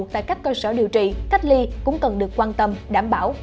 tại các cơ sở điều trị cách ly cũng cần được quan tâm đảm bảo